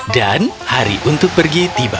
dan hari untuk pergi tiba